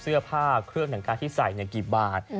เสื้อผ้าเครื่องแต่งกายที่ใส่กี่บาท